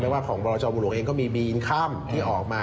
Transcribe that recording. แม้ว่าของบรรจอบุหรุงเองก็มีบีอินคัมที่ออกมา